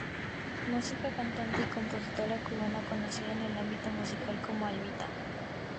Música, cantante y compositora cubana conocida en el ámbito musical como "Albita".